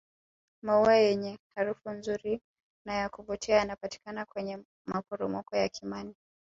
maua yenye harufu nzuri na yakuvutia yanapatikana kwenye maporomoko ya kimani